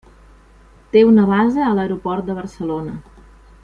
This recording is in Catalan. Té una base a l'aeroport de Barcelona.